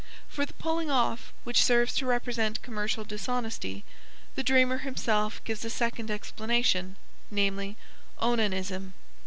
For the pulling off, which serves to represent commercial dishonesty, the dreamer himself gives a second explanation namely, onanism.